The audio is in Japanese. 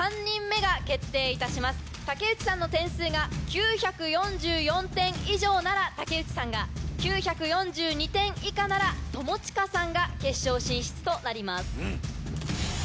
武内さんの点数が９４４点以上なら武内さんが９４２点以下なら友近さんが決勝進出となります。